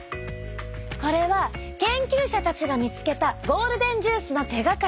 これは研究者たちが見つけたゴールデンジュースの手がかり。